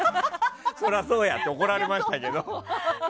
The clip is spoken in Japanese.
そらそうや！って怒られましたけど。